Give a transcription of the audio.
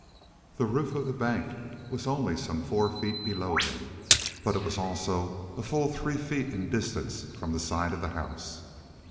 The roof of the bank was only some four feet below them, but it was also a full three feet in distance from the side of the house.